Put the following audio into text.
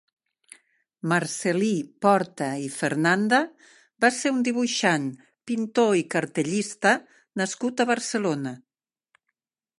Marcel·lí Porta i Fernanda va ser un dibuixant, pintor i cartellista nascut a Barcelona.